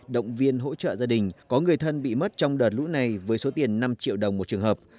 động viên hỗ trợ gia đình có người thân bị mất trong đợt lũ này với số tiền năm triệu đồng một trường hợp